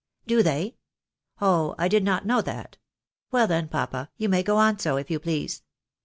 " Do they ? Oh ! I did not know that. Well, then, papa, you may go on so, if you please.